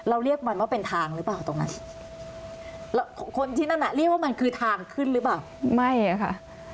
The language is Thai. อันนี้ข้อมูลอีกชุดหนึ่งนะคะ